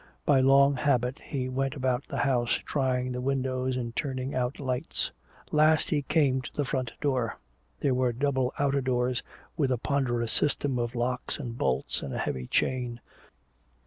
By long habit he went about the house trying the windows and turning out lights. Last he came to the front door. There were double outer doors with a ponderous system of locks and bolts and a heavy chain.